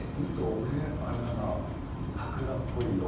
俺あれだな桜っぽい色。